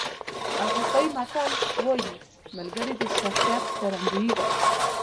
افریقایي متل وایي ملګري د شخصیت ښکارندوی دي.